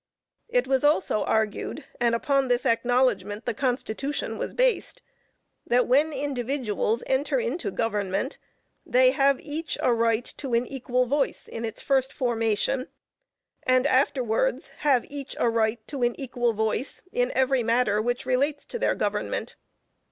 It was also argued, and upon this acknowledgment the Constitution was based, "that when individuals enter into government they have each a right to an equal voice in its first formation, and afterwards have each a right to an equal vote in every matter which relates to their government.